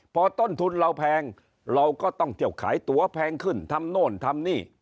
พอต้นทุนเราแพงเราก็ต้องเที่ยวขายตัวแพงขึ้นทำโน่นทำนี่